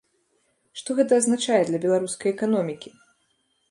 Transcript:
Што гэта азначае для беларускай эканомікі?